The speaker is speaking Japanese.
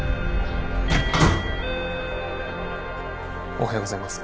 おはようございます。